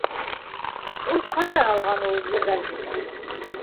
— Ул ҡайҙан алған ул ерҙәрҙе?